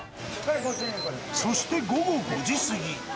そして午後５時過ぎ。